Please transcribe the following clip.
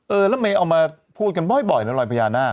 เออแล้วไม่เอามาพูดกันบ่อยนะรอยพญานาค